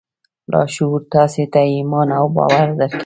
لاشعور تاسې ته ایمان او باور درکوي